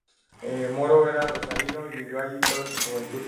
Moro era rosarino, y vivió allí toda su juventud.